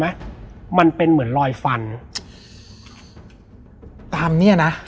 แล้วสักครั้งหนึ่งเขารู้สึกอึดอัดที่หน้าอก